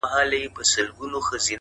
ما ويل څه به مي احوال واخلي!!